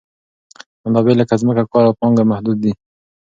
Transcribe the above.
منابع لکه ځمکه، کار او پانګه محدود دي.